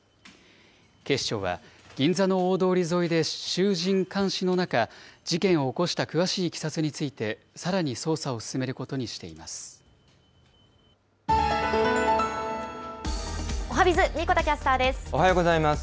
警視庁は銀座の大通り沿いで衆人環視の中、事件を起こした詳しいいきさつについて、さらに捜査を進めることおはＢｉｚ、神子田キャスタおはようございます。